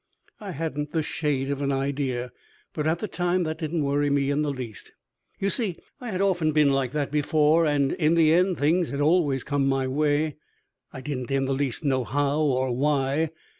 I hadn't the shade of an idea, but at the time that didn't worry me in the least. You see, I had often been like that before and in the end things had always come my way I didn't in the least know how or why.